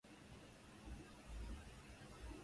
kwamba wangempinga katika masuala mbalimbali